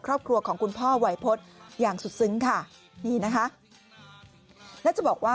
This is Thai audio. ครอบครัวของคุณพ่อวัยพฤษอย่างสุดซึ้งค่ะนี่นะคะแล้วจะบอกว่า